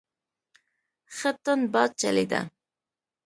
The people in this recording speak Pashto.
ښه تند باد چلیده.